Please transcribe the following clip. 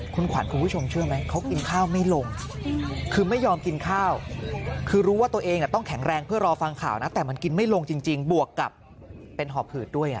คุณขวัญคุณผู้ชมเชื่อไหมเขากินข้าวไม่ลงคือไม่ยอมกินข้าวคือรู้ว่าตัวเองต้องแข็งแรงเพื่อรอฟังข่าวนะแต่มันกินไม่ลงจริงบวกกับเป็นหอบหืดด้วย